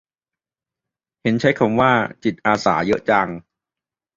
เห็นใช้คำว่า "จิตอาสา" เยอะจัง